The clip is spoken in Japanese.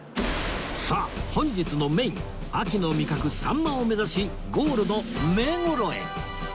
さあ本日のメイン秋の味覚さんまを目指しゴールの目黒へ